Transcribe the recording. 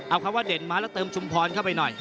เอาคำว่าเด่นมาแล้วเติมชุมพรเข้าไปหน่อย